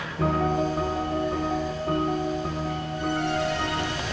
tadi nino ke rumah